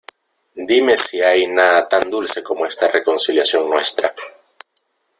¡ dime si hay nada tan dulce como esta reconciliación nuestra!